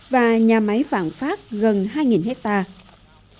và nhà máy vạn phát gần hai hectare